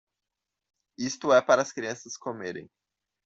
Isto é para as crianças comerem.